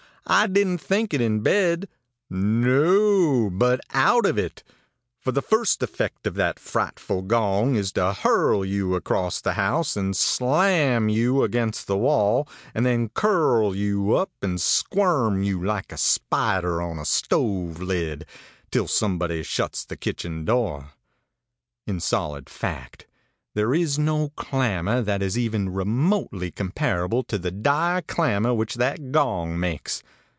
I didn't think it in bed no, but out of it for the first effect of that frightful gong is to hurl you across the house, and slam you against the wall, and then curl you up, and squirm you like a spider on a stove lid, till somebody shuts the kitchen door. In solid fact, there is no clamor that is even remotely comparable to the dire clamor which that gong makes.